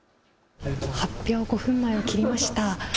発表５分前を切りました。